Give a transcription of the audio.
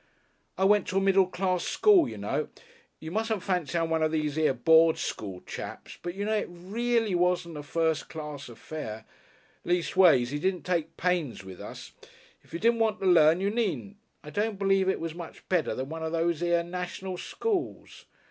"I went to a middle class school, you know. You mustn't fancy I'm one of these here board school chaps, but you know it reely wasn't a first class affair. Leastways he didn't take pains with us. If you didn't want to learn you needn't I don't believe it was much better than one of these here national schools.